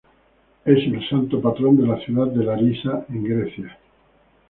Es el santo patrón de la ciudad de Larissa en Grecia.